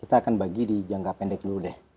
kita akan bagi di jangka pendek dulu deh